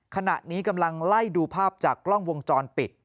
ขณะนี้กำลังไล่ดูภาพจากกล้องวงจรปิด